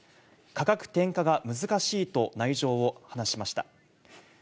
価格転嫁が難しいと内情を話しました。